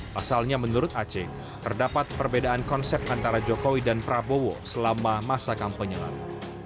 pasalnya menurut aceh terdapat perbedaan konsep antara jokowi dan prabowo selama masa kampanye lalu